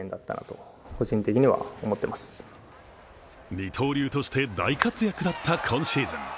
二刀流として大活躍だった今シーズン。